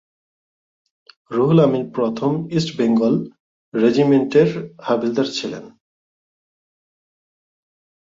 রুহুল আমিন প্রথম ইস্ট বেঙ্গল রেজিমেন্টের হাবিলদার ছিলেন।